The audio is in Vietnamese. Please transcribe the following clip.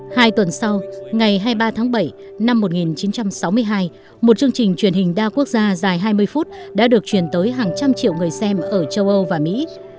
hai tuần sau ngày hai mươi ba tháng bảy năm một nghìn chín trăm sáu mươi hai một chương trình truyền hình đa quốc gia dài hai mươi phút đã được truyền tới hàng trăm triệu người xem ở châu âu và mỹ